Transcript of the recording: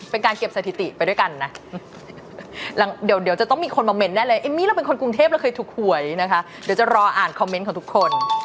เป็นการเก็บสถิติไปด้วยกันนะเดี๋ยวจะต้องมีคนมาเมนต์ได้เลยเอมมี่เราเป็นคนกรุงเทพเราเคยถูกหวยนะคะเดี๋ยวจะรออ่านคอมเมนต์ของทุกคน